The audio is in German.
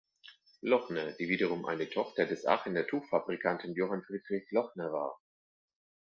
Lochner, die wiederum eine Tochter des Aachener Tuchfabrikanten Johann Friedrich Lochner war.